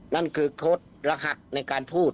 นั่นคือโค้ดรหัสในการพูด